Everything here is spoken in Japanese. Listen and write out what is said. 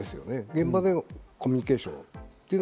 現場でのコミュニケーション。